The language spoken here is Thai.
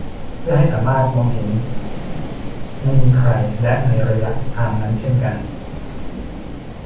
เพื่อให้สามารถมองเห็นไม่มีใคร ! และในระยะทางนั้นเช่นกัน !